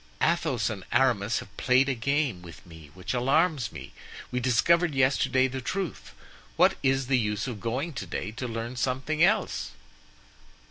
Athos and Aramis have played a game with me which alarms me. We discovered yesterday the truth; what is the use of going to day to learn something else?"